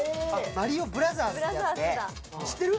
「マリオブラザーズ」ってやつで知ってる？